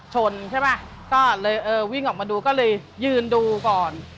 ชนใช่ป่ะก็เลยเออวิ่งออกมาดูก็เลยยืนดูก่อน